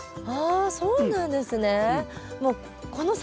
あそうなんですね。